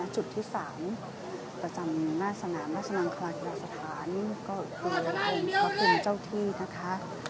จุดที่สามประจำน่าสนามน่าสนามความรักน่าสถานขอบคุณเจ้าที่นะคะ